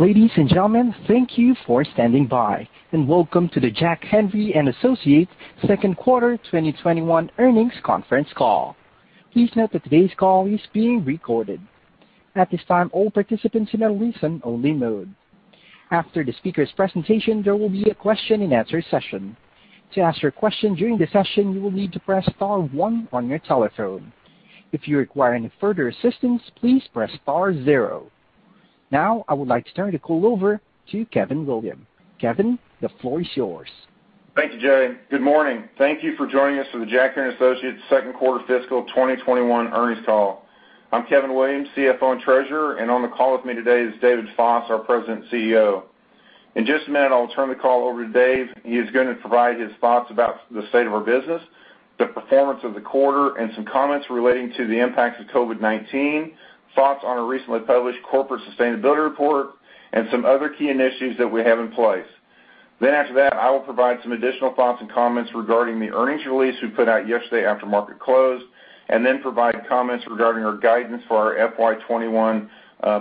Ladies and gentlemen, thank you for standing by, and welcome to the Jack Henry & Associates, Second Quarter 2021 Earnings Conference Call. Please note that today's call is being recorded. At this time, all participants are in a listen-only mode. After the speaker's presentation, there will be a question-and-answer session. To ask your question during the session, you will need to press star one on your telephone. If you require any further assistance, please press star zero. Now, I would like to turn the call over to Kevin Williams. Kevin, the floor is yours. Thank you, Jay. Good morning. Thank you for joining us for the Jack Henry & Associates, Second Quarter Fiscal 2021 Earnings Call. I'm Kevin Williams, CFO and Treasurer, and on the call with me today is David Foss, our President and CEO. In just a minute, I'll turn the call over to Dave. He is going to provide his thoughts about the state of our business, the performance of the quarter, and some comments relating to the impacts of COVID-19, thoughts on our recently published corporate sustainability report, and some other key initiatives that we have in place. Then after that, I will provide some additional thoughts and comments regarding the earnings release we put out yesterday after market closed, and then provide comments regarding our guidance for our FY21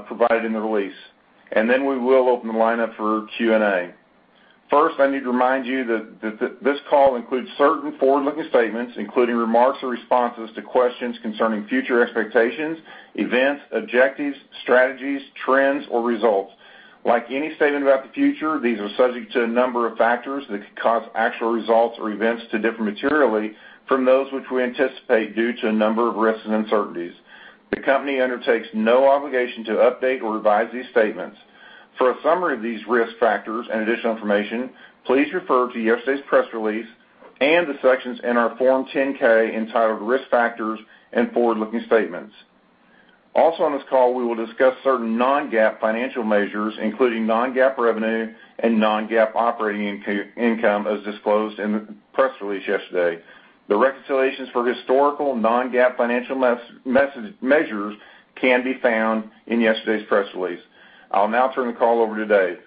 provided in the release. Then we will open the lineup for Q&A. First, I need to remind you that this call includes certain forward-looking statements, including remarks or responses to questions concerning future expectations, events, objectives, strategies, trends, or results. Like any statement about the future, these are subject to a number of factors that could cause actual results or events to differ materially from those which we anticipate due to a number of risks and uncertainties. The company undertakes no obligation to update or revise these statements. For a summary of these risk factors and additional information, please refer to yesterday's press release and the sections in our Form 10-K entitled Risk Factors and Forward-Looking Statements. Also, on this call, we will discuss certain non-GAAP financial measures, including non-GAAP revenue and non-GAAP operating income as disclosed in the press release yesterday. The reconciliations for historical non-GAAP financial measures can be found in yesterday's press release. I'll now turn the call over to Dave.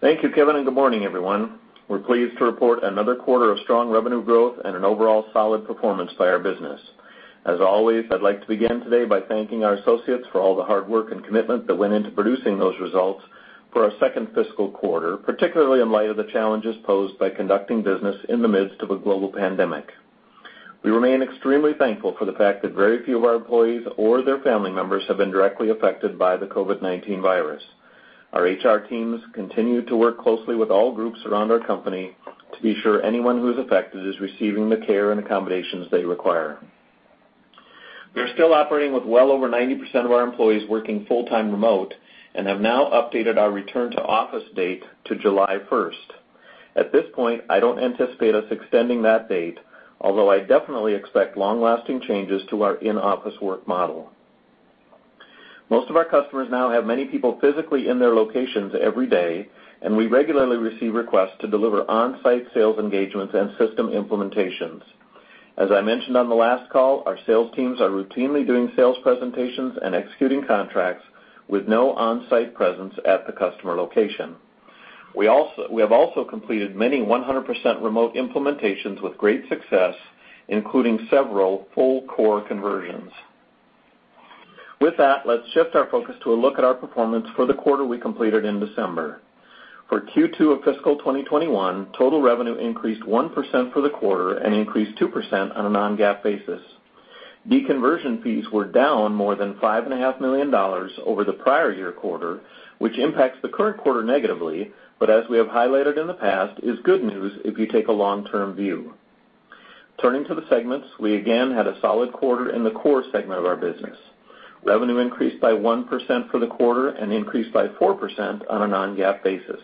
Thank you, Kevin, and good morning, everyone. We're pleased to report another quarter of strong revenue growth and an overall solid performance by our business. As always, I'd like to begin today by thanking our associates for all the hard work and commitment that went into producing those results for our second fiscal quarter, particularly in light of the challenges posed by conducting business in the midst of a global pandemic. We remain extremely thankful for the fact that very few of our employees or their family members have been directly affected by the COVID-19 virus. Our HR teams continue to work closely with all groups around our company to be sure anyone who is affected is receiving the care and accommodations they require. We are still operating with well over 90% of our employees working full-time remote and have now updated our return-to-office date to July 1st. At this point, I don't anticipate us extending that date, although I definitely expect long-lasting changes to our in-office work model. Most of our customers now have many people physically in their locations every day, and we regularly receive requests to deliver on-site sales engagements and system implementations. As I mentioned on the last call, our sales teams are routinely doing sales presentations and executing contracts with no on-site presence at the customer location. We have also completed many 100% remote implementations with great success, including several full-core conversions. With that, let's shift our focus to a look at our performance for the quarter we completed in December. For Q2 of fiscal 2021, total revenue increased 1% for the quarter and increased 2% on a non-GAAP basis. Deconversion fees were down more than $5.5 million over the prior year quarter, which impacts the current quarter negatively, but as we have highlighted in the past, is good news if you take a long-term view. Turning to the segments, we again had a solid quarter in the core segment of our business. Revenue increased by 1% for the quarter and increased by 4% on a non-GAAP basis.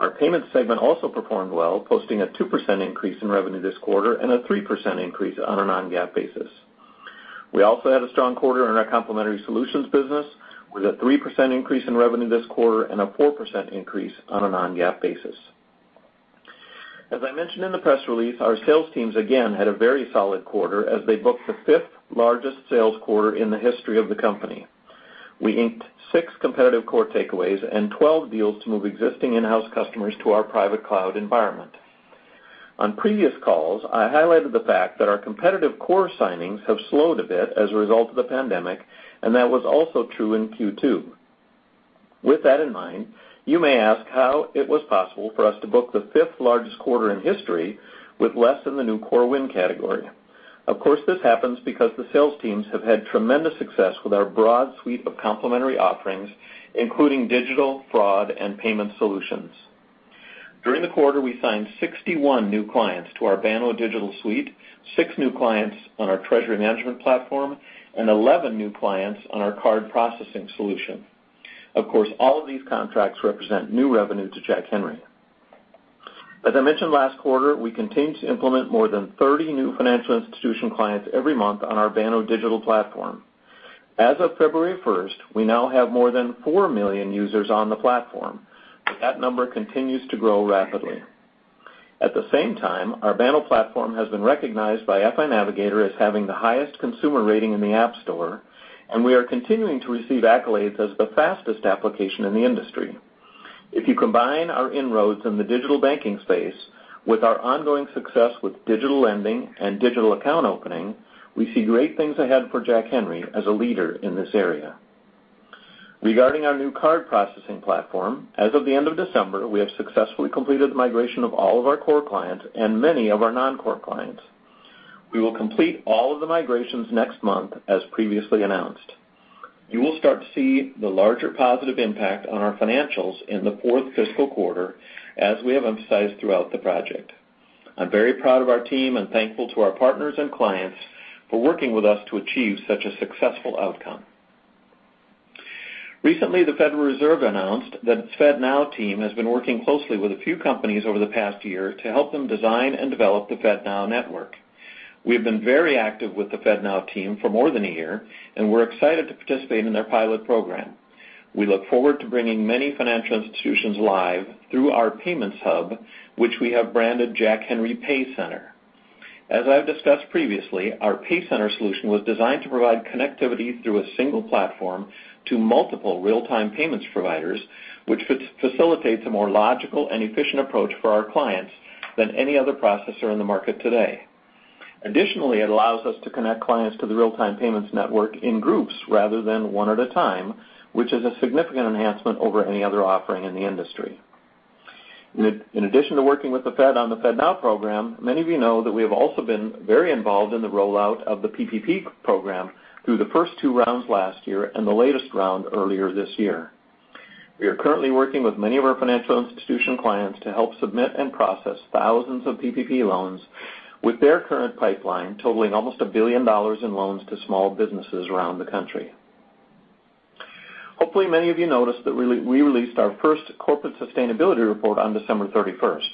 Our payments segment also performed well, posting a 2% increase in revenue this quarter and a 3% increase on a non-GAAP basis. We also had a strong quarter in our complementary solutions business with a 3% increase in revenue this quarter and a 4% increase on a non-GAAP basis. As I mentioned in the press release, our sales teams again had a very solid quarter as they booked the fifth largest sales quarter in the history of the company. We inked six competitive core takeaways and 12 deals to move existing in-house customers to our private cloud environment. On previous calls, I highlighted the fact that our competitive core signings have slowed a bit as a result of the pandemic, and that was also true in Q2. With that in mind, you may ask how it was possible for us to book the fifth largest quarter in history with less than the new core win category. Of course, this happens because the sales teams have had tremendous success with our broad suite of complementary offerings, including digital, fraud, and payment solutions. During the quarter, we signed 61 new clients to our Banno Digital suite, six new clients on our treasury management platform, and 11 new clients on our card processing solution. Of course, all of these contracts represent new revenue to Jack Henry. As I mentioned last quarter, we continue to implement more than 30 new financial institution clients every month on our Banno Digital platform. As of February 1st, we now have more than 4 million users on the platform, but that number continues to grow rapidly. At the same time, our Banno platform has been recognized by FI Navigator as having the highest consumer rating in the App Store, and we are continuing to receive accolades as the fastest application in the industry. If you combine our inroads in the digital banking space with our ongoing success with digital lending and digital account opening, we see great things ahead for Jack Henry as a leader in this area. Regarding our new card processing platform, as of the end of December, we have successfully completed the migration of all of our core clients and many of our non-core clients. We will complete all of the migrations next month, as previously announced. You will start to see the larger positive impact on our financials in the fourth fiscal quarter, as we have emphasized throughout the project. I'm very proud of our team and thankful to our partners and clients for working with us to achieve such a successful outcome. Recently, the Federal Reserve announced that its FedNow team has been working closely with a few companies over the past year to help them design and develop the FedNow network. We have been very active with the FedNow team for more than a year, and we're excited to participate in their pilot program. We look forward to bringing many financial institutions live through our payments hub, which we have branded Jack Henry PayCenter. As I've discussed previously, our PayCenter solution was designed to provide connectivity through a single platform to multiple real-time payments providers, which facilitates a more logical and efficient approach for our clients than any other processor in the market today. Additionally, it allows us to connect clients to the real-time payments network in groups rather than one at a time, which is a significant enhancement over any other offering in the industry. In addition to working with the Fed on the FedNow program, many of you know that we have also been very involved in the rollout of the PPP program through the first two rounds last year and the latest round earlier this year. We are currently working with many of our financial institution clients to help submit and process thousands of PPP loans with their current pipeline totaling almost $1 billion in loans to small businesses around the country. Hopefully, many of you noticed that we released our first corporate sustainability report on December 31st.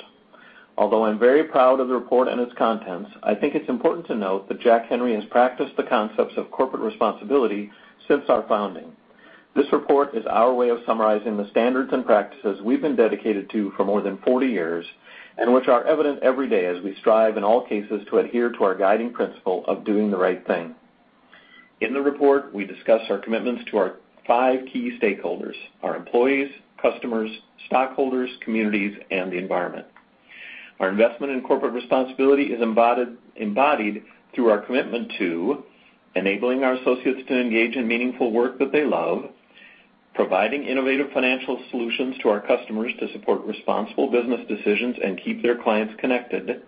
Although I'm very proud of the report and its contents, I think it's important to note that Jack Henry has practiced the concepts of corporate responsibility since our founding. This report is our way of summarizing the standards and practices we've been dedicated to for more than 40 years and which are evident every day as we strive in all cases to adhere to our guiding principle of doing the right thing. In the report, we discuss our commitments to our five key stakeholders: our employees, customers, stockholders, communities, and the environment. Our investment in corporate responsibility is embodied through our commitment to enabling our associates to engage in meaningful work that they love, providing innovative financial solutions to our customers to support responsible business decisions and keep their clients connected,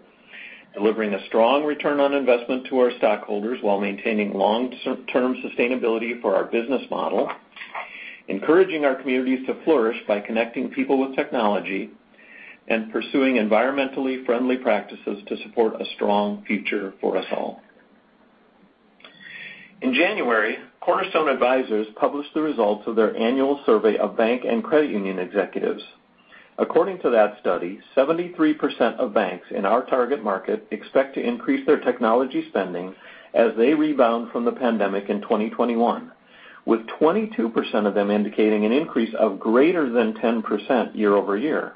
delivering a strong return on investment to our stockholders while maintaining long-term sustainability for our business model, encouraging our communities to flourish by connecting people with technology, and pursuing environmentally friendly practices to support a strong future for us all. In January, Cornerstone Advisors published the results of their annual survey of bank and credit union executives. According to that study, 73% of banks in our target market expect to increase their technology spending as they rebound from the pandemic in 2021, with 22% of them indicating an increase of greater than 10% year over year.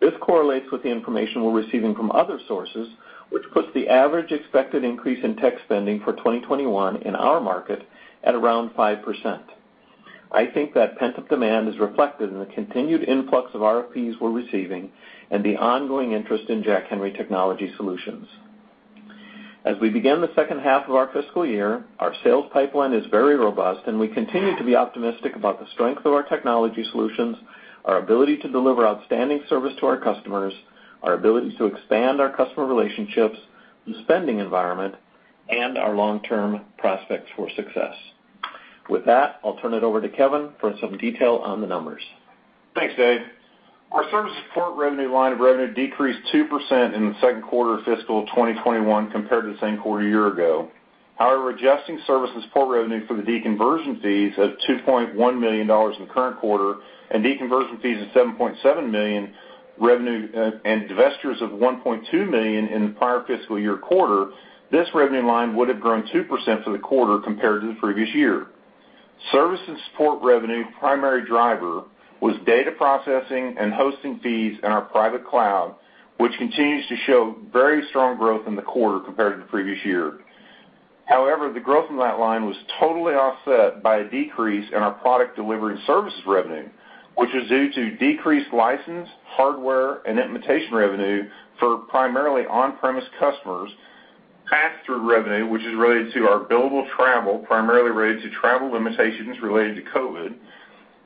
This correlates with the information we're receiving from other sources, which puts the average expected increase in tech spending for 2021 in our market at around 5%. I think that pent-up demand is reflected in the continued influx of RFPs we're receiving and the ongoing interest in Jack Henry technology solutions. As we begin the second half of our fiscal year, our sales pipeline is very robust, and we continue to be optimistic about the strength of our technology solutions, our ability to deliver outstanding service to our customers, our ability to expand our customer relationships, the spending environment, and our long-term prospects for success. With that, I'll turn it over to Kevin for some detail on the numbers. Thanks, Dave. Our service support revenue line of revenue decreased 2% in the second quarter of fiscal 2021 compared to the same quarter a year ago. However, adjusting service and support revenue for the deconversion fees of $2.1 million in the current quarter and deconversion fees of $7.7 million and incentives of $1.2 million in the prior fiscal year quarter, this revenue line would have grown 2% for the quarter compared to the previous year. Service and support revenue primary driver was data processing and hosting fees in our private cloud, which continues to show very strong growth in the quarter compared to the previous year. However, the growth in that line was totally offset by a decrease in our product delivery and services revenue, which was due to decreased license, hardware, and implementation revenue for primarily on-premise customers, pass-through revenue, which is related to our billable travel, primarily related to travel limitations related to COVID,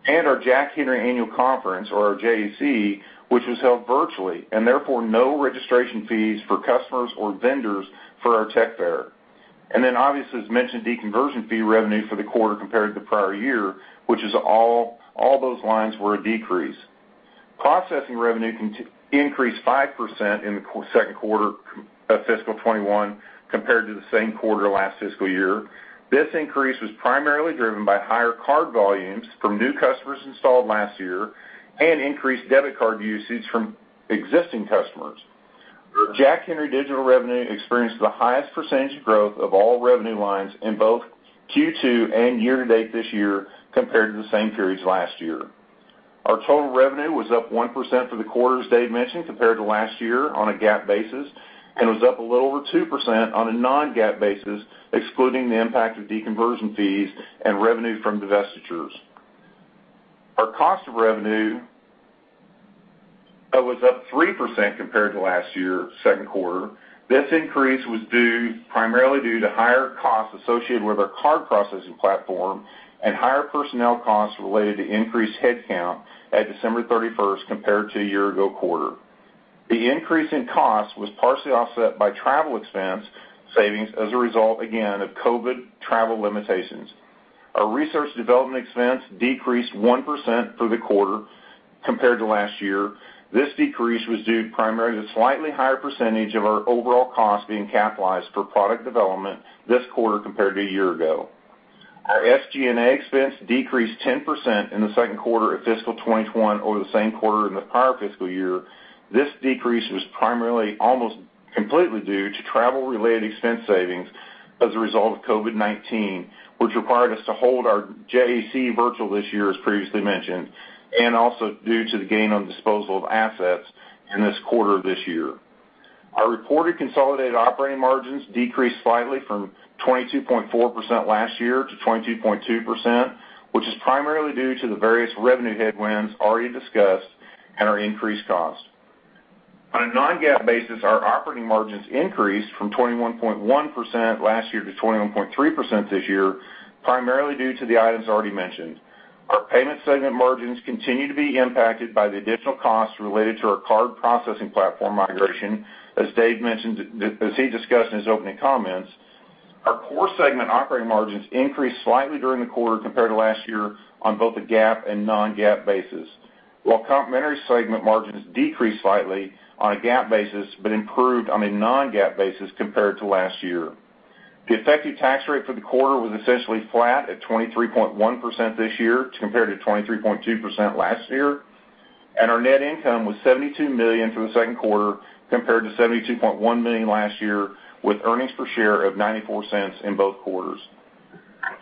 and our Jack Henry Annual Conference, or our JAC, which was held virtually and therefore no registration fees for customers or vendors for our tech fair, and then, obviously, as mentioned, deconversion fee revenue for the quarter compared to the prior year, which is all those lines were a decrease. Processing revenue increased 5% in the second quarter of fiscal 2021 compared to the same quarter last fiscal year. This increase was primarily driven by higher card volumes from new customers installed last year and increased debit card usage from existing customers. Jack Henry Digital revenue experienced the highest percentage of growth of all revenue lines in both Q2 and year-to-date this year compared to the same periods last year. Our total revenue was up 1% for the quarter, Dave mentioned, compared to last year on a GAAP basis and was up a little over 2% on a non-GAAP basis, excluding the impact of deconversion fees and revenue from divestitures. Our cost of revenue was up 3% compared to last year's second quarter. This increase was primarily due to higher costs associated with our card processing platform and higher personnel costs related to increased headcount at December 31st compared to a year-ago quarter. The increase in costs was partially offset by travel expense savings as a result, again, of COVID travel limitations. Our research and development expense decreased 1% for the quarter compared to last year. This decrease was due primarily to a slightly higher percentage of our overall costs being capitalized for product development this quarter compared to a year ago. Our SG&A expense decreased 10% in the second quarter of fiscal 2021 over the same quarter in the prior fiscal year. This decrease was primarily almost completely due to travel-related expense savings as a result of COVID-19, which required us to hold our JAC virtual this year, as previously mentioned, and also due to the gain on disposal of assets in this quarter of this year. Our reported consolidated operating margins decreased slightly from 22.4% last year to 22.2%, which is primarily due to the various revenue headwinds already discussed and our increased cost. On a non-GAAP basis, our operating margins increased from 21.1% last year to 21.3% this year, primarily due to the items already mentioned. Our payment segment margins continue to be impacted by the additional costs related to our card processing platform migration, as Dave mentioned, as he discussed in his opening comments. Our core segment operating margins increased slightly during the quarter compared to last year on both a GAAP and non-GAAP basis, while complementary segment margins decreased slightly on a GAAP basis but improved on a non-GAAP basis compared to last year. The effective tax rate for the quarter was essentially flat at 23.1% this year compared to 23.2% last year, and our net income was $72 million for the second quarter compared to $72.1 million last year, with earnings per share of $0.94 in both quarters.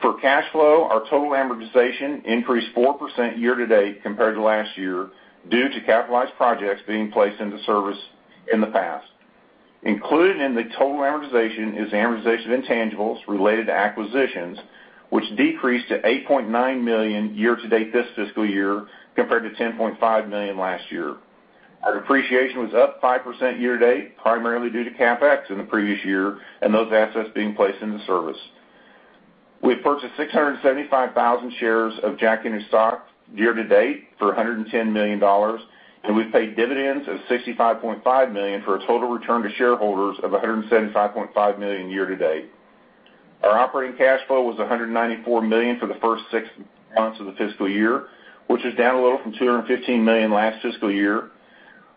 For cash flow, our total amortization increased 4% year-to-date compared to last year due to capitalized projects being placed into service in the past. Included in the total amortization is amortization of intangibles related to acquisitions, which decreased to $8.9 million year-to-date this fiscal year compared to $10.5 million last year. Our depreciation was up 5% year-to-date, primarily due to CapEx in the previous year and those assets being placed into service. We purchased 675,000 shares of Jack Henry stock year-to-date for $110 million, and we've paid dividends of $65.5 million for a total return to shareholders of $175.5 million year-to-date. Our operating cash flow was $194 million for the first six months of the fiscal year, which is down a little from $215 million last fiscal year.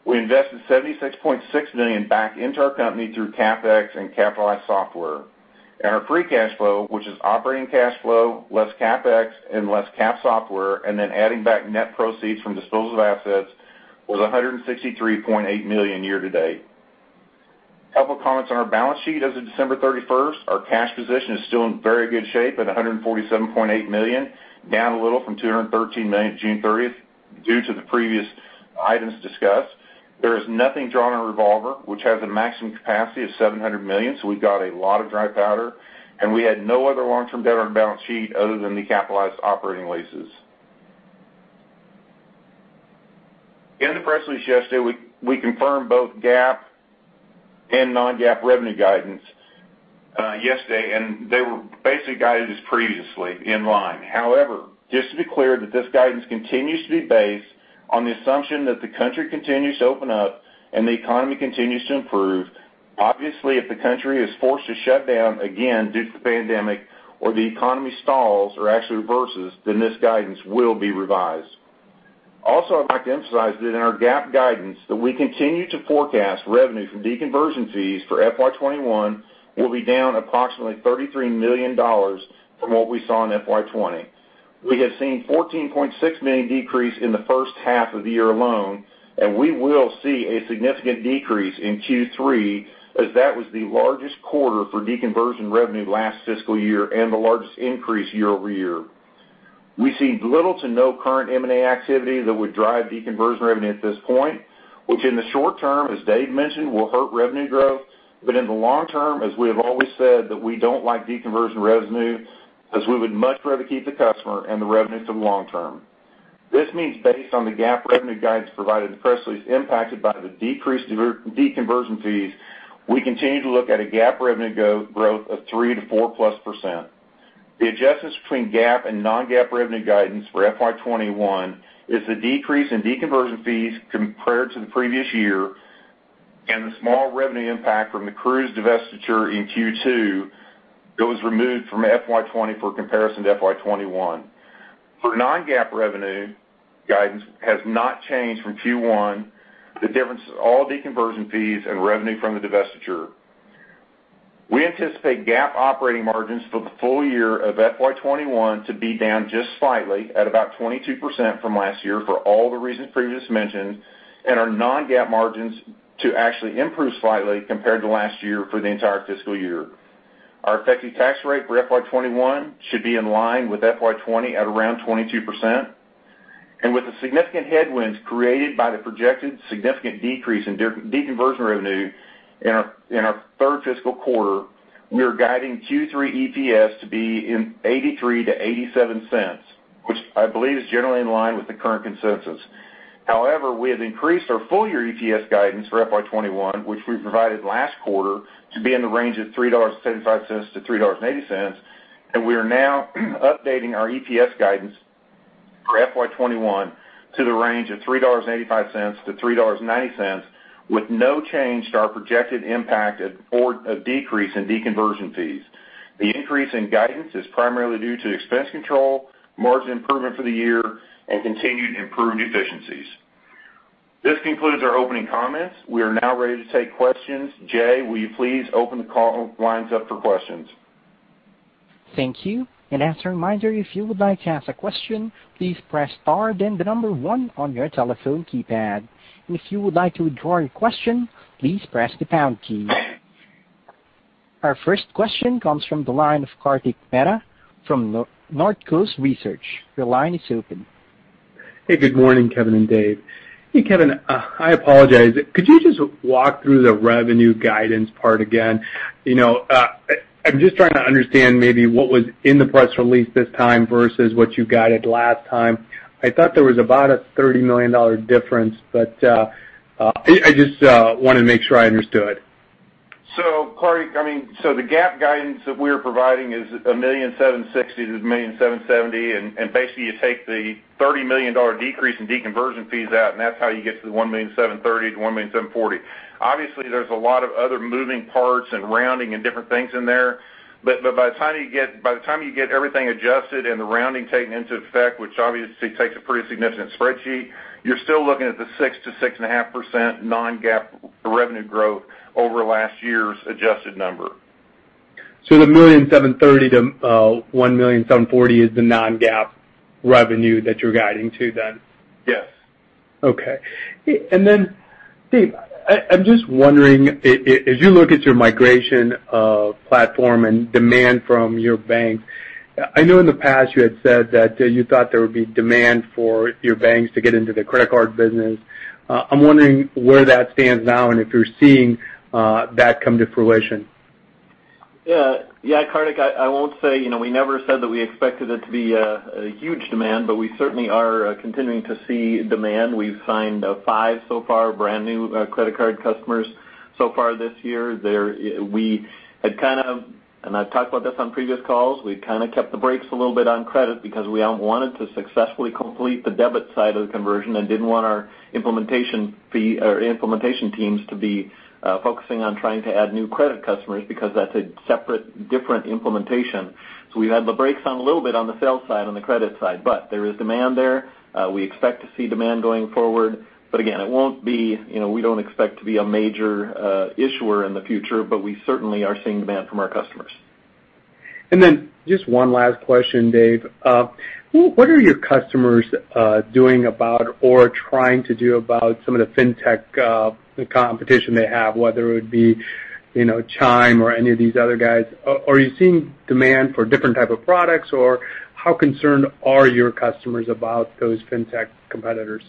We invested $76.6 million back into our company through CapEx and capitalized software. And our free cash flow, which is operating cash flow, less CapEx, and less Cap software, and then adding back net proceeds from disposal of assets, was $163.8 million year-to-date. A couple of comments on our balance sheet as of December 31st. Our cash position is still in very good shape at $147.8 million, down a little from $213 million June 30th due to the previous items discussed. There is nothing drawn on revolver, which has a maximum capacity of $700 million, so we've got a lot of dry powder, and we had no other long-term debt on our balance sheet other than the capitalized operating leases. In the press release yesterday, we confirmed both GAAP and non-GAAP revenue guidance yesterday, and they were basically guided as previously in line. However, just to be clear, this guidance continues to be based on the assumption that the country continues to open up and the economy continues to improve. Obviously, if the country is forced to shut down again due to the pandemic or the economy stalls or actually reverses, then this guidance will be revised. Also, I'd like to emphasize that in our GAAP guidance, we continue to forecast revenue from deconversion fees for FY21 will be down approximately $33 million from what we saw in FY20. We have seen a $14.6 million decrease in the first half of the year alone, and we will see a significant decrease in Q3, as that was the largest quarter for deconversion revenue last fiscal year and the largest increase year-over-year. We see little to no current M&A activity that would drive deconversion revenue at this point, which in the short term, as Dave mentioned, will hurt revenue growth. But in the long term, as we have always said, we don't like deconversion revenue because we would much rather keep the customer and the revenue for the long term. This means, based on the GAAP revenue guidance provided in the press release impacted by the decreased deconversion fees, we continue to look at a GAAP revenue growth of 3%-4% plus. The adjustments between GAAP and non-GAAP revenue guidance for FY21 is the decrease in deconversion fees compared to the previous year and the small revenue impact from the Cruise divestiture in Q2 that was removed from FY20 for comparison to FY21. For non-GAAP revenue guidance, it has not changed from Q1. The difference is all deconversion fees and revenue from the divestiture. We anticipate GAAP operating margins for the full year of FY21 to be down just slightly at about 22% from last year for all the reasons previously mentioned, and our non-GAAP margins to actually improve slightly compared to last year for the entire fiscal year. Our effective tax rate for FY21 should be in line with FY20 at around 22%. And with the significant headwinds created by the projected significant decrease in deconversion revenue in our third fiscal quarter, we are guiding Q3 EPS to be $0.83-$0.87, which I believe is generally in line with the current consensus. However, we have increased our full-year EPS guidance for FY21, which we provided last quarter, to be in the range of $3.75-$3.80, and we are now updating our EPS guidance for FY21 to the range of $3.85-$3.90 with no change to our projected impact or a decrease in deconversion fees. The increase in guidance is primarily due to expense control, margin improvement for the year, and continued improved efficiencies. This concludes our opening comments. We are now ready to take questions. Jay, will you please open the call lines up for questions? Thank you. And as a reminder, if you would like to ask a question, please press star then the number one on your telephone keypad. And if you would like to withdraw your question, please press the pound key. Our first question comes from the line of Kartik Mehta from Northcoast Research. Your line is open. Hey, good morning, Kevin and Dave. Hey, Kevin, I apologize. Could you just walk through the revenue guidance part again? I'm just trying to understand maybe what was in the press release this time versus what you guided last time. I thought there was about a $30 million difference, but I just wanted to make sure I understood. So, Karthik, I mean, so the GAAP guidance that we're providing is $1.76 billion-$1.77 billion, and basically, you take the $30 million decrease in deconversion fees out, and that's how you get to the $1.73 billion-$1.74 billion. Obviously, there's a lot of other moving parts and rounding and different things in there, but by the time you get everything adjusted and the rounding taken into effect, which obviously takes a pretty significant spreadsheet, you're still looking at the 6%-6.5% non-GAAP revenue growth over last year's adjusted number. The $173 million-$174 million is the non-GAAP revenue that you're guiding to then? Yes. Okay. And then, Dave, I'm just wondering, as you look at your migration platform and demand from your banks, I know in the past you had said that you thought there would be demand for your banks to get into the credit card business. I'm wondering where that stands now and if you're seeing that come to fruition. Yeah, Kartik, I won't say we never said that we expected it to be a huge demand, but we certainly are continuing to see demand. We've signed five so far, brand new credit card customers so far this year. We had kind of, and I've talked about this on previous calls, we kind of kept the brakes a little bit on credit because we wanted to successfully complete the debit side of the conversion and didn't want our implementation teams to be focusing on trying to add new credit customers because that's a separate, different implementation. So we've had the brakes on a little bit on the sales side and the credit side, but there is demand there. We expect to see demand going forward, but again, it won't be - we don't expect to be a major issuer in the future, but we certainly are seeing demand from our customers. And then just one last question, Dave. What are your customers doing about or trying to do about some of the fintech competition they have, whether it be Chime or any of these other guys? Are you seeing demand for different types of products, or how concerned are your customers about those fintech competitors?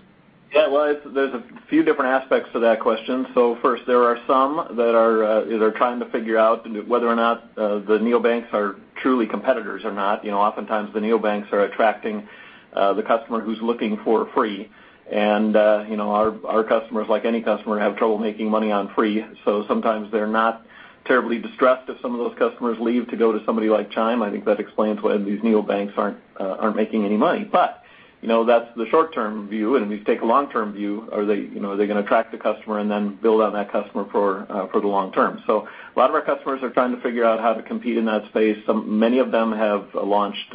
Yeah, well, there's a few different aspects to that question. So first, there are some that are trying to figure out whether or not the neobanks are truly competitors or not. Oftentimes, the neobanks are attracting the customer who's looking for free. And our customers, like any customer, have trouble making money on free, so sometimes they're not terribly distressed if some of those customers leave to go to somebody like Chime. I think that explains why these neobanks aren't making any money. But that's the short-term view, and if you take a long-term view, are they going to attract the customer and then build on that customer for the long term? So a lot of our customers are trying to figure out how to compete in that space. Many of them have launched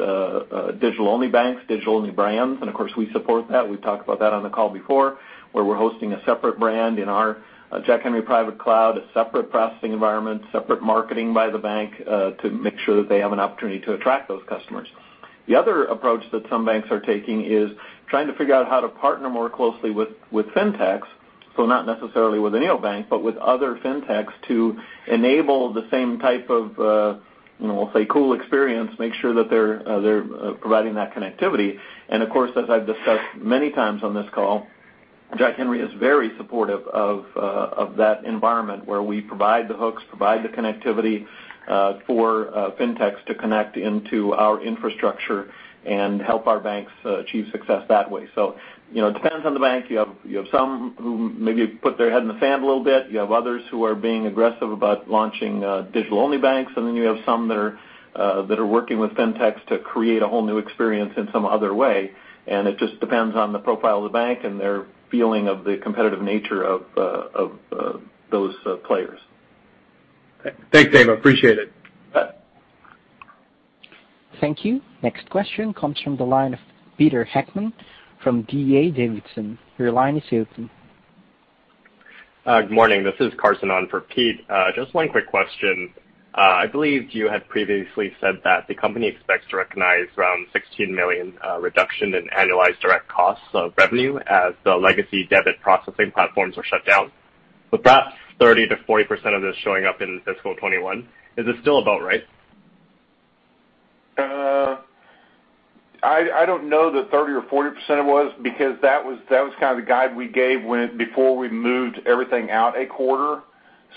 digital-only banks, digital-only brands, and of course, we support that. We've talked about that on the call before, where we're hosting a separate brand in our Jack Henry Private Cloud, a separate processing environment, separate marketing by the bank to make sure that they have an opportunity to attract those customers. The other approach that some banks are taking is trying to figure out how to partner more closely with fintechs, so not necessarily with a neobank, but with other fintechs to enable the same type of, we'll say, cool experience, make sure that they're providing that connectivity. And of course, as I've discussed many times on this call, Jack Henry is very supportive of that environment where we provide the hooks, provide the connectivity for fintechs to connect into our infrastructure and help our banks achieve success that way. So it depends on the bank. You have some who maybe put their head in the sand a little bit. You have others who are being aggressive about launching digital-only banks, and then you have some that are working with fintechs to create a whole new experience in some other way. And it just depends on the profile of the bank and their feeling of the competitive nature of those players. Thanks, Dave. I appreciate it. Thank you. Next question comes from the line of Peter Heckmann from D.A. Davidson. Your line is open. Good morning. This is Carson on for Pete. Just one quick question. I believe you had previously said that the company expects to recognize around $16 million reduction in annualized direct costs of revenue as the legacy debit processing platforms are shut down, with perhaps 30%-40% of this showing up in fiscal 2021. Is this still about right? I don't know that 30% or 40%. It was because that was kind of the guide we gave before we moved everything out a quarter.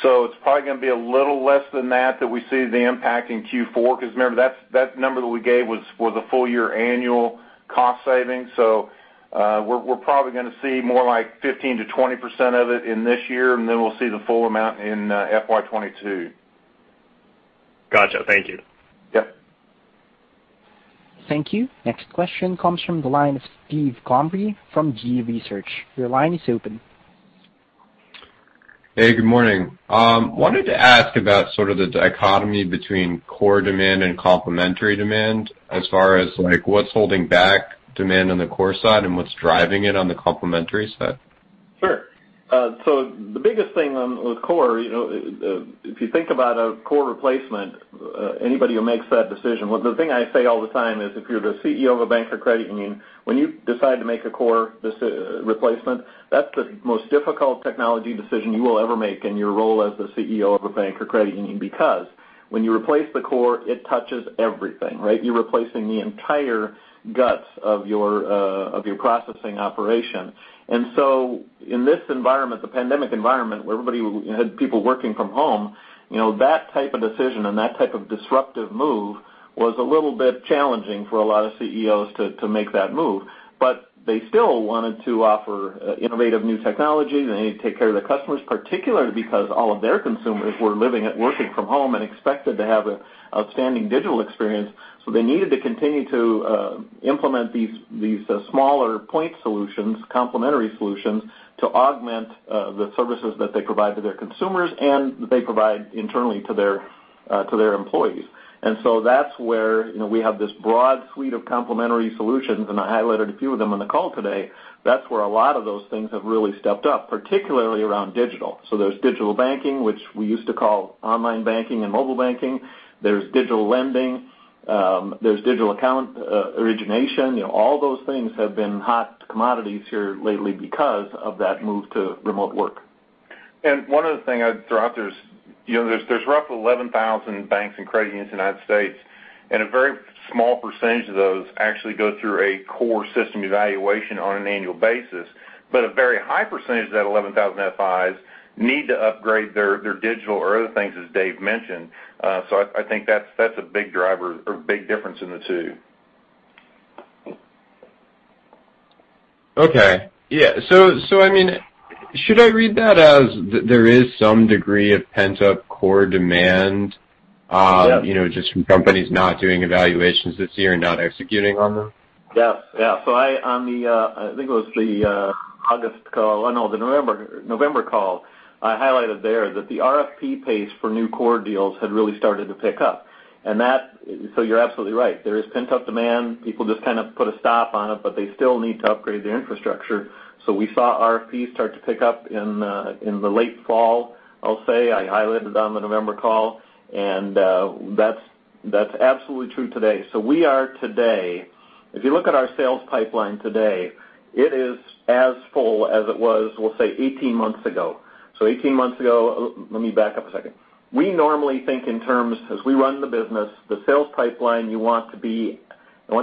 So it's probably going to be a little less than that that we see the impact in Q4 because remember, that number that we gave was a full-year annual cost saving. So we're probably going to see more like 15%-20% of it in this year, and then we'll see the full amount in FY22. Gotcha. Thank you. Yep. Thank you. Next question comes from the line of [Steve Comery] from [G. Research] Your line is open. Hey, good morning. Wanted to ask about sort of the dichotomy between core demand and complementary demand as far as what's holding back demand on the core side and what's driving it on the complementary side. Sure. So the biggest thing with core, if you think about a core replacement, anybody who makes that decision, the thing I say all the time is if you're the CEO of a bank or credit union, when you decide to make a core replacement, that's the most difficult technology decision you will ever make in your role as the CEO of a bank or credit union because when you replace the core, it touches everything, right? You're replacing the entire guts of your processing operation. And so in this environment, the pandemic environment where everybody had people working from home, that type of decision and that type of disruptive move was a little bit challenging for a lot of CEOs to make that move. But they still wanted to offer innovative new technology, and they needed to take care of their customers, particularly because all of their consumers were living and working from home and expected to have an outstanding digital experience. So they needed to continue to implement these smaller point solutions, complementary solutions to augment the services that they provide to their consumers and that they provide internally to their employees, and so that's where we have this broad suite of complementary solutions, and I highlighted a few of them on the call today. That's where a lot of those things have really stepped up, particularly around digital, so there's digital banking, which we used to call online banking and mobile banking. There's digital lending. There's digital account origination. All those things have been hot commodities here lately because of that move to remote work. And one other thing I'd throw out there is there's roughly 11,000 banks and credit unions in the United States, and a very small percentage of those actually go through a core system evaluation on an annual basis. But a very high percentage of that 11,000 FIs need to upgrade their digital or other things, as Dave mentioned. So I think that's a big driver or big difference in the two. Okay. Yeah. So I mean, should I read that as there is some degree of pent-up core demand just from companies not doing evaluations this year and not executing on them? Yeah. Yeah, so on the, I think it was the August call, no, the November call, I highlighted there that the RFP pace for new core deals had really started to pick up, and so you're absolutely right. There is pent-up demand. People just kind of put a stop on it, but they still need to upgrade their infrastructure, so we saw RFPs start to pick up in the late fall, I'll say. I highlighted it on the November call, and that's absolutely true today, so we are today, if you look at our sales pipeline today, it is as full as it was, we'll say, 18 months ago, so 18 months ago, let me back up a second. We normally think in terms, as we run the business, the sales pipeline, you want to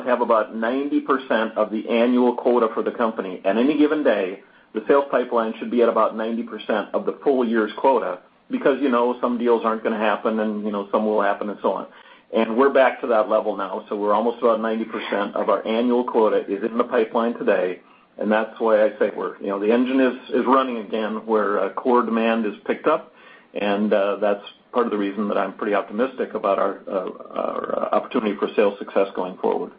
have about 90% of the annual quota for the company. And any given day, the sales pipeline should be at about 90% of the full year's quota because some deals aren't going to happen, and some will happen, and so on. And we're back to that level now, so we're almost about 90% of our annual quota is in the pipeline today, and that's why I say the engine is running again where core demand is picked up, and that's part of the reason that I'm pretty optimistic about our opportunity for sales success going forward.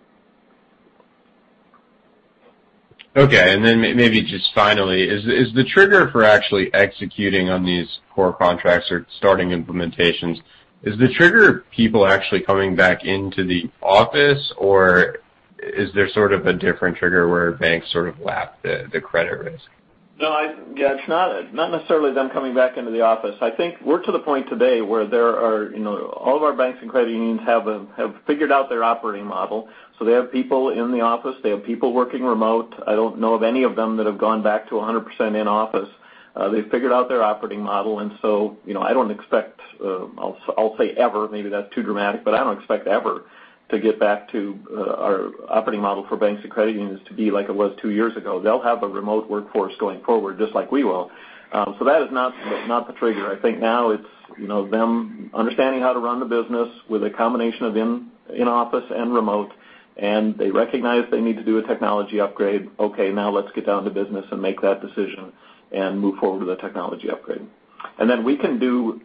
Okay. And then maybe just finally, is the trigger for actually executing on these core contracts or starting implementations, is the trigger people actually coming back into the office, or is there sort of a different trigger where banks sort of lap the credit risk? No, yeah, it's not necessarily them coming back into the office. I think we're to the point today where all of our banks and credit unions have figured out their operating model, so they have people in the office. They have people working remote. I don't know of any of them that have gone back to 100% in-office. They've figured out their operating model, and so I don't expect, I'll say ever, maybe that's too dramatic, but I don't expect ever to get back to our operating model for banks and credit unions to be like it was two years ago. They'll have a remote workforce going forward just like we will. So that is not the trigger. I think now it's them understanding how to run the business with a combination of in-office and remote, and they recognize they need to do a technology upgrade. Okay, now let's get down to business and make that decision and move forward with the technology upgrade. And then we can do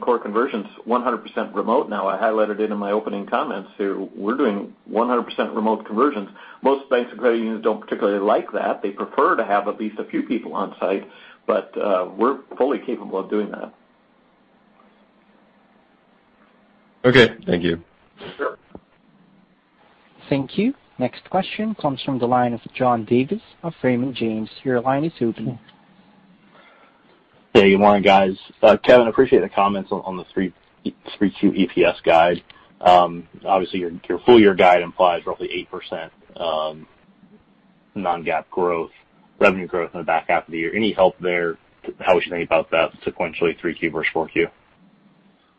core conversions 100% remote now. I highlighted it in my opening comments here. We're doing 100% remote conversions. Most banks and credit unions don't particularly like that. They prefer to have at least a few people on site, but we're fully capable of doing that. Okay. Thank you. Sure. Thank you. Next question comes from the line of John Davis of Raymond James. Your line is open. Hey, good morning, guys. Kevin, I appreciate the comments on the 3Q EPS guide. Obviously, your full-year guide implies roughly 8% non-GAAP growth, revenue growth in the back half of the year. Any help there? How would you think about that sequentially, 3Q versus 4Q?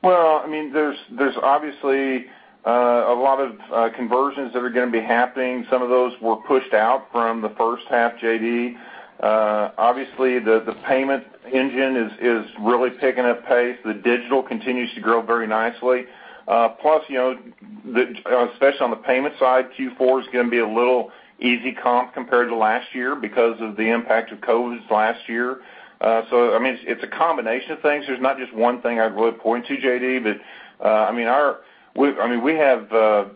Well, I mean, there's obviously a lot of conversions that are going to be happening. Some of those were pushed out from the first half, JD. Obviously, the payment engine is really picking up pace. The digital continues to grow very nicely. Plus, especially on the payment side, Q4 is going to be a little easy comp compared to last year because of the impact of COVID last year. So I mean, it's a combination of things. There's not just one thing I'd really point to, JD, but I mean, we have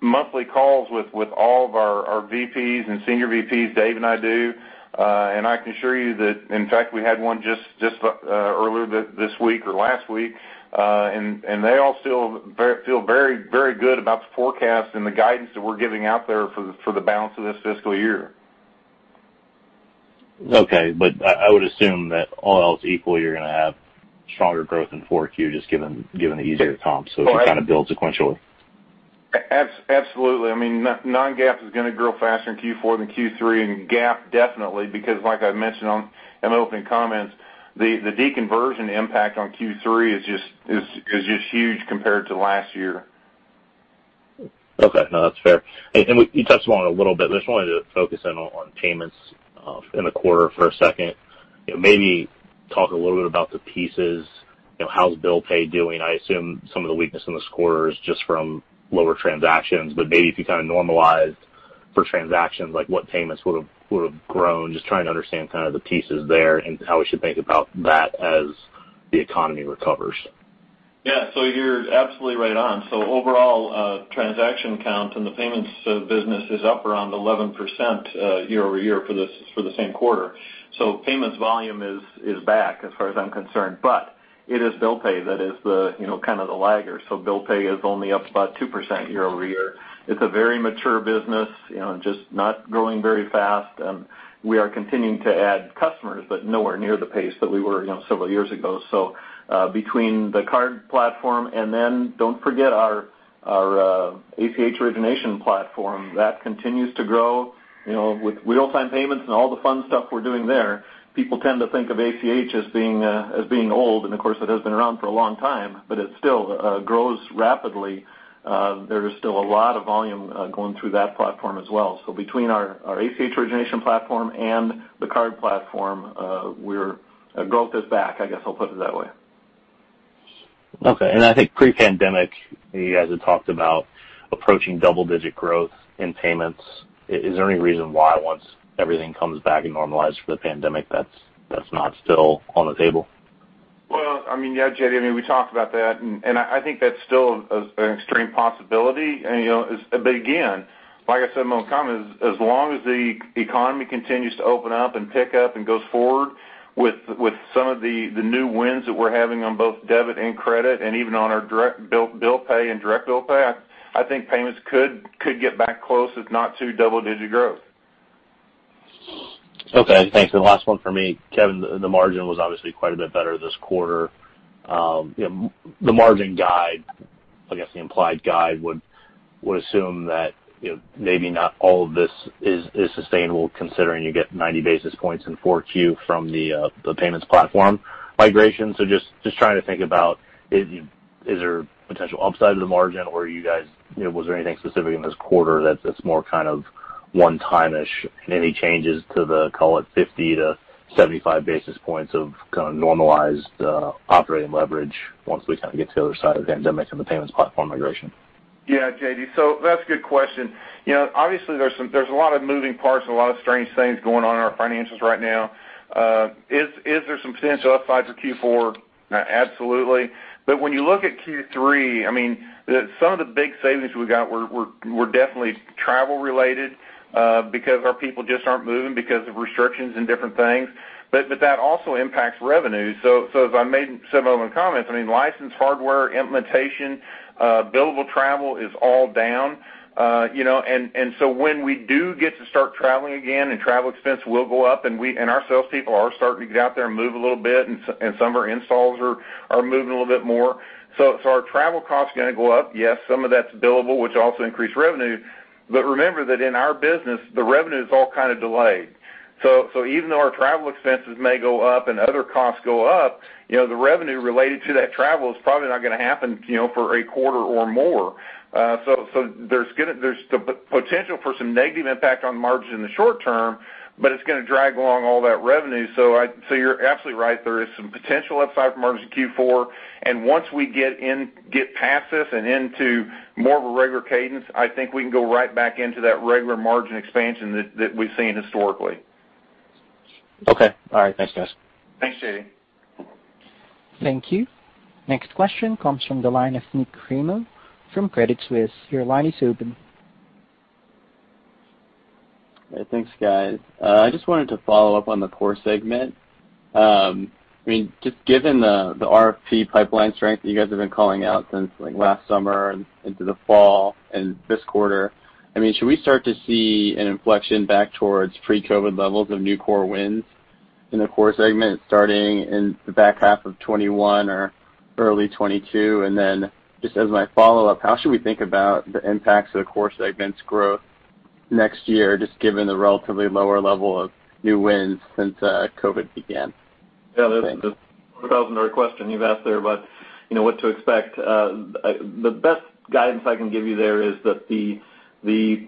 monthly calls with all of our VPs and senior VPs, Dave and I do, and I can assure you that, in fact, we had one just earlier this week or last week, and they all still feel very, very good about the forecast and the guidance that we're giving out there for the balance of this fiscal year. Okay, but I would assume that all else equal, you're going to have stronger growth in 4Q just given the easier comp, so it kind of builds sequentially. Absolutely. I mean, non-GAAP is going to grow faster in Q4 than Q3, and GAAP definitely because, like I mentioned in my opening comments, the deconversion impact on Q3 is just huge compared to last year. Okay. No, that's fair. And you touched on it a little bit. I just wanted to focus in on payments in the quarter for a second. Maybe talk a little bit about the pieces. How's bill pay doing? I assume some of the weakness in the scores just from lower transactions, but maybe if you kind of normalized for transactions, what payments would have grown, just trying to understand kind of the pieces there and how we should think about that as the economy recovers. Yeah. So you're absolutely right on. So overall, transaction count in the payments business is up around 11% year over year for the same quarter. So payments volume is back as far as I'm concerned, but it is bill pay that is kind of the laggard. So bill pay is only up about 2% year over year. It's a very mature business, just not growing very fast, and we are continuing to add customers, but nowhere near the pace that we were several years ago. So between the card platform and then don't forget our ACH origination platform, that continues to grow. With real-time payments and all the fun stuff we're doing there, people tend to think of ACH as being old, and of course, it has been around for a long time, but it still grows rapidly. There is still a lot of volume going through that platform as well. So between our ACH origination platform and the card platform, growth is back, I guess I'll put it that way. Okay, and I think pre-pandemic, you guys had talked about approaching double-digit growth in payments. Is there any reason why once everything comes back and normalizes for the pandemic, that's not still on the table? I mean, yeah, JD, I mean, we talked about that, and I think that's still an extreme possibility. But again, like I said in my own comments, as long as the economy continues to open up and pick up and goes forward with some of the new wins that we're having on both debit and credit and even on our bill pay and direct bill pay, I think payments could get back close if not to double-digit growth. Okay. Thanks. And last one for me, Kevin, the margin was obviously quite a bit better this quarter. The margin guide, I guess the implied guide, would assume that maybe not all of this is sustainable considering you get 90 basis points in 4Q from the payments platform migration. So just trying to think about, is there a potential upside of the margin or you guys, was there anything specific in this quarter that's more kind of one-time-ish, any changes to the, call it, 50 to 75 basis points of kind of normalized operating leverage once we kind of get to the other side of the pandemic and the payments platform migration? Yeah, JD. So that's a good question. Obviously, there's a lot of moving parts and a lot of strange things going on in our financials right now. Is there some potential upside for Q4? Absolutely. But when you look at Q3, I mean, some of the big savings we got were definitely travel-related because our people just aren't moving because of restrictions and different things. But that also impacts revenue. So as I said in my opening comments, I mean, licensed hardware, implementation, billable travel is all down. And so when we do get to start traveling again and travel expense will go up and our salespeople are starting to get out there and move a little bit and some of our installs are moving a little bit more. So our travel costs are going to go up. Yes, some of that's billable, which also increased revenue. But remember that in our business, the revenue is all kind of delayed. So even though our travel expenses may go up and other costs go up, the revenue related to that travel is probably not going to happen for a quarter or more. So there's potential for some negative impact on the margin in the short term, but it's going to drag along all that revenue. So you're absolutely right. There is some potential upside for margin in Q4. And once we get past this and into more of a regular cadence, I think we can go right back into that regular margin expansion that we've seen historically. Okay. All right. Thanks, guys. Thanks, JD. Thank you. Next question comes from the line of Nik Cremo from Credit Suisse. Your line is open. Thanks, guys. I just wanted to follow up on the core segment. I mean, just given the RFP pipeline strength that you guys have been calling out since last summer into the fall and this quarter, I mean, should we start to see an inflection back towards pre-COVID levels of new core wins in the core segment starting in the back half of 2021 or early 2022? And then just as my follow-up, how should we think about the impacts of the core segment's growth next year, just given the relatively lower level of new wins since COVID began? Yeah. That's a $1,000 question you've asked there about what to expect. The best guidance I can give you there is that the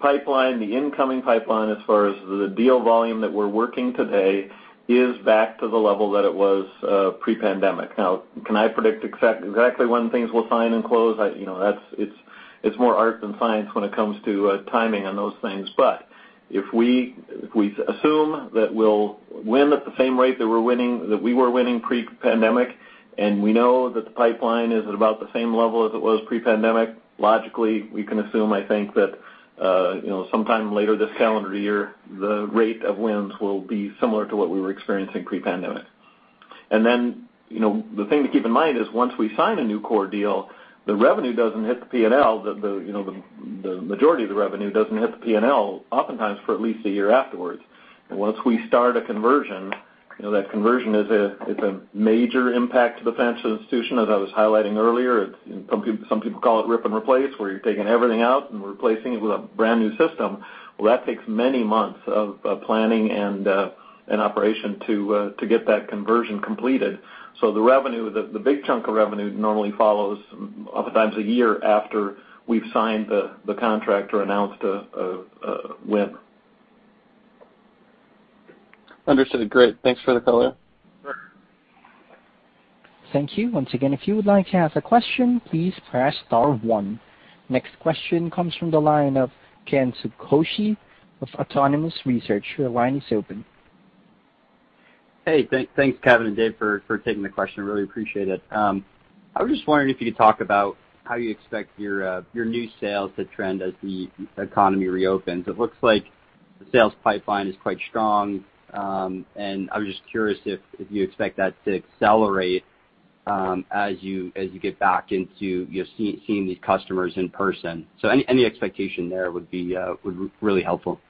pipeline, the incoming pipeline as far as the deal volume that we're working today is back to the level that it was pre-pandemic. Now, can I predict exactly when things will sign and close? It's more art than science when it comes to timing on those things. But if we assume that we'll win at the same rate that we were winning pre-pandemic and we know that the pipeline is at about the same level as it was pre-pandemic, logically, we can assume, I think, that sometime later this calendar year, the rate of wins will be similar to what we were experiencing pre-pandemic. The thing to keep in mind is once we sign a new core deal, the revenue doesn't hit the P&L. The majority of the revenue doesn't hit the P&L, oftentimes for at least a year afterwards. Once we start a conversion, that conversion is a major impact to the financial institution, as I was highlighting earlier. Some people call it rip and replace where you're taking everything out and replacing it with a brand new system. That takes many months of planning and operation to get that conversion completed. The revenue, the big chunk of revenue normally follows oftentimes a year after we've signed the contract or announced a win. Understood. Great. Thanks for the color. Sure. Thank you. Once again, if you would like to ask a question, please press star one. Next question comes from the line of Ken Suchoski of Autonomous Research. Your line is open. Hey, thanks, Kevin and Dave, for taking the question. I really appreciate it. I was just wondering if you could talk about how you expect your new sales to trend as the economy reopens. It looks like the sales pipeline is quite strong, and I was just curious if you expect that to accelerate as you get back into seeing these customers in person. So any expectation there would be really helpful.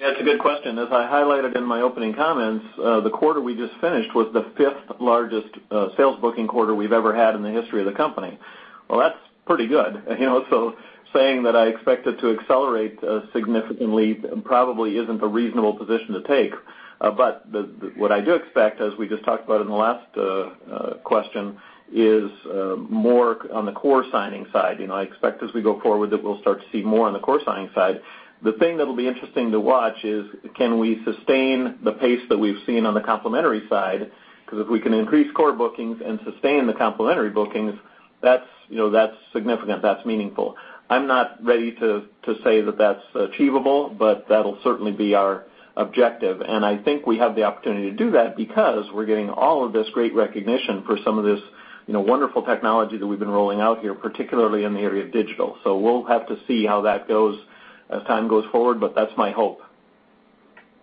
Yeah, it's a good question. As I highlighted in my opening comments, the quarter we just finished was the fifth largest sales booking quarter we've ever had in the history of the company. Well, that's pretty good. So saying that I expect it to accelerate significantly probably isn't a reasonable position to take. But what I do expect, as we just talked about in the last question, is more on the core signing side. I expect as we go forward that we'll start to see more on the core signing side. The thing that'll be interesting to watch is, can we sustain the pace that we've seen on the complementary side? Because if we can increase core bookings and sustain the complementary bookings, that's significant. That's meaningful. I'm not ready to say that that's achievable, but that'll certainly be our objective. I think we have the opportunity to do that because we're getting all of this great recognition for some of this wonderful technology that we've been rolling out here, particularly in the area of digital. We'll have to see how that goes as time goes forward, but that's my hope.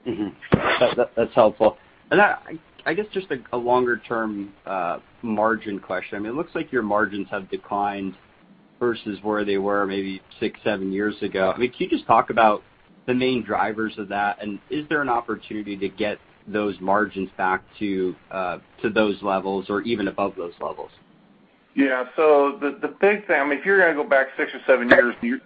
That's helpful. And I guess just a longer-term margin question. I mean, it looks like your margins have declined versus where they were maybe six, seven years ago. I mean, can you just talk about the main drivers of that? And is there an opportunity to get those margins back to those levels or even above those levels? Yeah. So the big thing, I mean, if you're going to go back six or seven years, and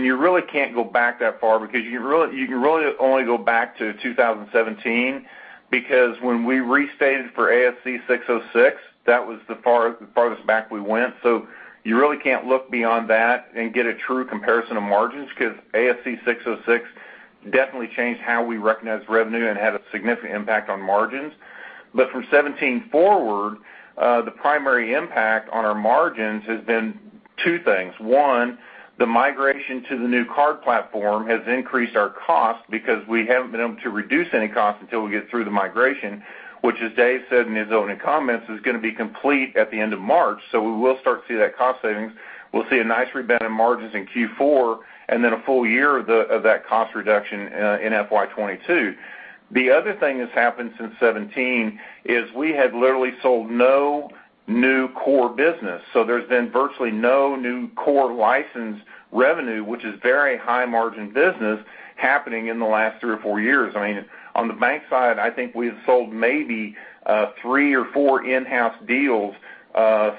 you really can't go back that far because you can really only go back to 2017 because when we restated for ASC 606, that was the farthest back we went. So you really can't look beyond that and get a true comparison of margins because ASC 606 definitely changed how we recognize revenue and had a significant impact on margins. But from 2017 forward, the primary impact on our margins has been two things. One, the migration to the new card platform has increased our cost because we haven't been able to reduce any costs until we get through the migration, which, as Dave said in his opening comments, is going to be complete at the end of March. So we will start to see that cost savings. We'll see a nice rebound in margins in Q4 and then a full year of that cost reduction in FY22. The other thing that's happened since 2017 is we have literally sold no new core business. So there's been virtually no new core license revenue, which is very high-margin business happening in the last three or four years. I mean, on the bank side, I think we've sold maybe three or four in-house deals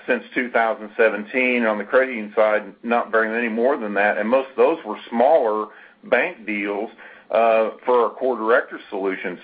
since 2017. On the credit union side, not very many more than that. And most of those were smaller bank deals for our Core Director solution.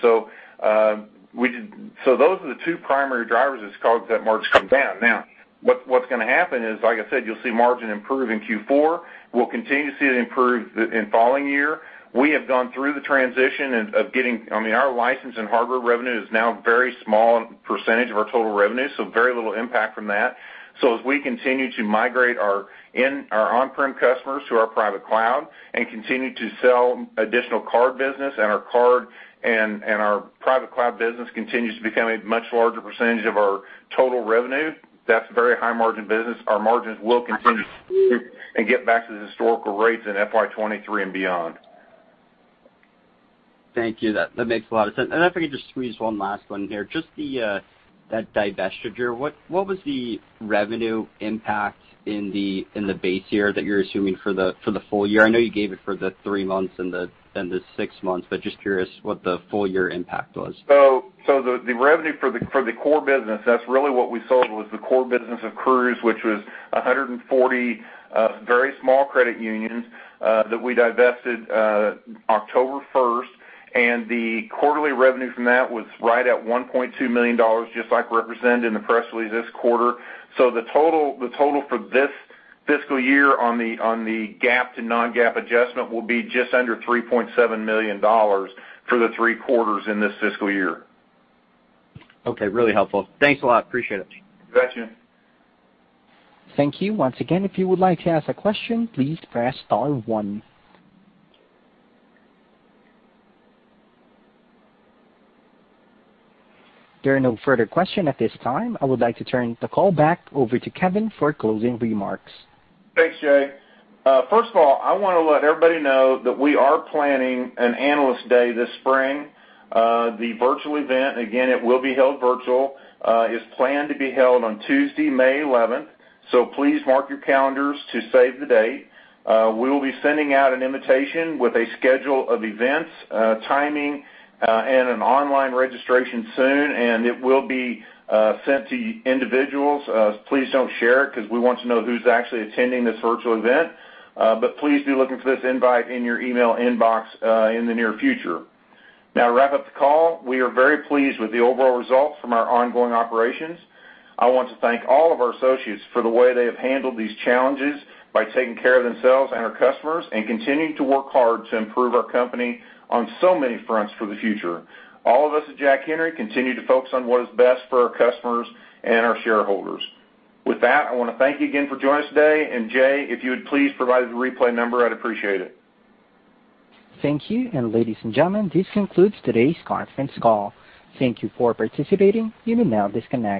So those are the two primary drivers that's caused that margin to come down. Now, what's going to happen is, like I said, you'll see margin improve in Q4. We'll continue to see it improve in the following year. We have gone through the transition of getting, I mean, our license and hardware revenue is now a very small percentage of our total revenue, so very little impact from that. So as we continue to migrate our on-prem customers to our private cloud and continue to sell additional card business, and our card and our private cloud business continues to become a much larger percentage of our total revenue, that's very high-margin business. Our margins will continue to improve and get back to the historical rates in FY23 and beyond. Thank you. That makes a lot of sense. And if I could just squeeze one last one here, just that divestiture, what was the revenue impact in the base year that you're assuming for the full year? I know you gave it for the three months and the six months, but just curious what the full year impact was. So the revenue for the core business, that's really what we sold was the core business of Cruise, which was 140 very small credit unions that we divested October 1st. And the quarterly revenue from that was right at $1.2 million, just like represented in the press release this quarter. So the total for this fiscal year on the GAAP to non-GAAP adjustment will be just under $3.7 million for the three quarters in this fiscal year. Okay. Really helpful. Thanks a lot. Appreciate it. You bet, Jen. Thank you. Once again, if you would like to ask a question, please press star one. There are no further questions at this time. I would like to turn the call back over to Kevin for closing remarks. Thanks, Jay. First of all, I want to let everybody know that we are planning an Analyst Day this spring. The virtual event, again, it will be held virtual, is planned to be held on Tuesday, May 11th. So please mark your calendars to save the date. We will be sending out an invitation with a schedule of events, timing, and an online registration soon. And it will be sent to individuals. Please don't share it because we want to know who's actually attending this virtual event. But please be looking for this invite in your email inbox in the near future. Now, to wrap up the call, we are very pleased with the overall results from our ongoing operations. I want to thank all of our associates for the way they have handled these challenges by taking care of themselves and our customers and continuing to work hard to improve our company on so many fronts for the future. All of us at Jack Henry continue to focus on what is best for our customers and our shareholders. With that, I want to thank you again for joining us today, and Jay, if you would please provide the replay number, I'd appreciate it. Thank you. And ladies and gentlemen, this concludes today's conference call. Thank you for participating. You may now disconnect.